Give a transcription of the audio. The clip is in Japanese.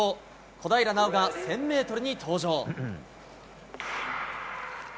小平奈緒が１０００ｍに登場。